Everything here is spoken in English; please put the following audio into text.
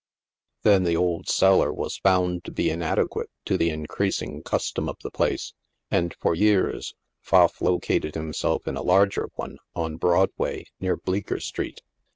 Then the old cellar was found to be inadequate to the in creasing custom of the place, and, for years, Pfaff located himself in a larger one, on Broadway, near Bleecker street.